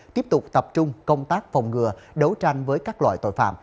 tiếp tục tập trung công tác phòng ngừa đấu tranh với các loại tội phạm